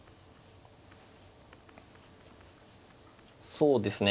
そうですね